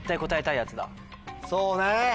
そうね